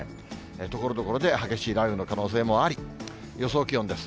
ところどころで激しい雷雨の可能性もあり、予想気温です。